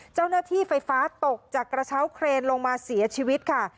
เจ้าหน้าที่ไฟฟ้าตกจากกระเช้าเครนลงมาเสียชีวิตค่ะ